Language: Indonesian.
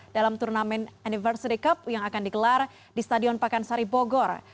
dalam turnamen anniversary cup yang akan digelar di stadion pakansari bogor